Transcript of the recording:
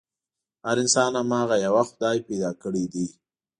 هر انسان هماغه يوه خدای پيدا کړی دی.